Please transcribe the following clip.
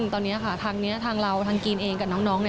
ตอนนี้ค่ะทางนี้ทางเราทางจีนเองกับน้อง